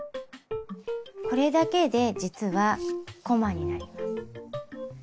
これだけで実はこまになります。